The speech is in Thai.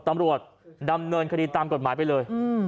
ตำรวจดำเนินคดีตามกฎหมายไปเลย